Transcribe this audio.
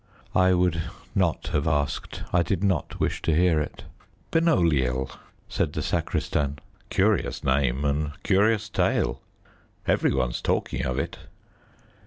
I would not have asked: I did not wish to hear it. "Benoliel," said the sacristan. "Curious name and curious tale. Every one's talking of it."